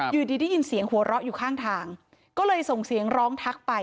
อยู่ดีได้ยินเสียงหัวเราะอยู่ข้างทางก็เลยส่งเสียงร้องทักไป